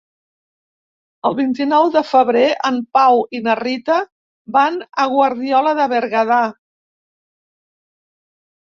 El vint-i-nou de febrer en Pau i na Rita van a Guardiola de Berguedà.